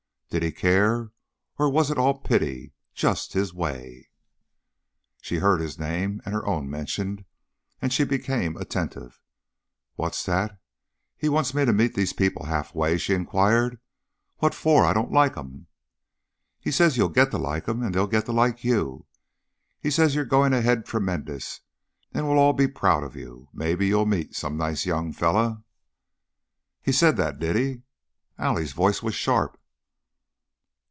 Did he care, or was it all pity just his way? She heard his name and her own mentioned, and she became attentive. "What's that? He wants me to meet these people halfway?" she inquired. "What for? I don't like 'em." "He says you'll git to like 'em, an' they'll git to like you. He says you're goin' ahead tremendous, and we'll all be proud of you. Mebbe you'll meet some nice young feller " "He said that, did he?" Allie's voice was sharp.